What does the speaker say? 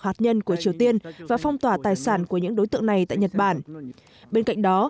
hạt nhân của triều tiên và phong tỏa tài sản của những đối tượng này tại nhật bản bên cạnh đó